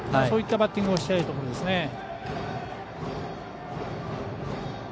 そういったバッティングをしたいところですね。